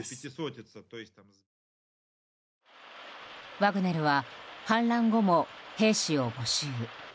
ワグネルは反乱後も兵士を募集。